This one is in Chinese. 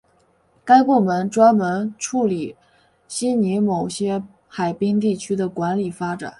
该部门专责处理悉尼某些海滨地区的管理发展。